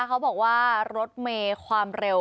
เขาบอกว่ารถเมย์ความเร็ว